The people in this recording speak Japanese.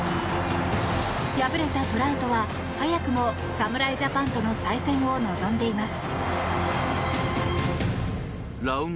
敗れたトラウトは早くも、侍ジャパンとの再戦を望んでいます。